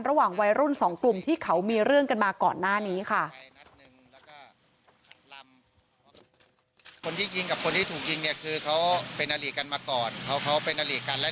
ระหว่างวัยรุ่นสองกลุ่มที่เขามีเรื่องกันมาก่อนหน้านี้ค่ะ